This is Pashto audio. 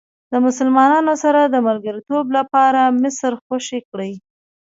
د مسلمانانو سره د ملګرتوب لپاره مصر خوشې کړئ.